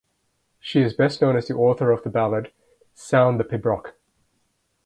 She is best known as the author of the ballad "Sound the Pibroch".